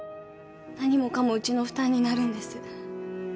何もかもうちの負担になるんです。